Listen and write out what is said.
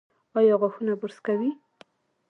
ایا غاښونه برس کوي؟